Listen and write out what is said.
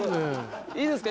いいですか？